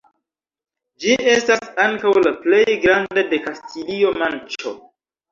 Ĝi estas ankaŭ la plej granda de Kastilio-Manĉo.